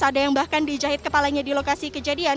ada yang bahkan dijahit kepalanya di lokasi kejadian